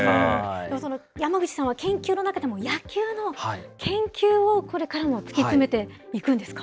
山口さんは研究の中でも、野球の研究をこれからも突き詰めていくんですか。